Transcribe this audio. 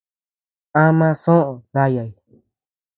Ama soʼö dayay.